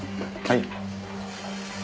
はい。